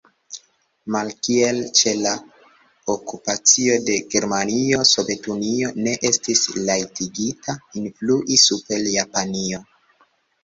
Malkiel ĉe la Okupacio de Germanio, Sovetunio ne estis rajtigita influi super Japanio.